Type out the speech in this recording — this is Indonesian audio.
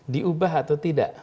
diubah atau tidak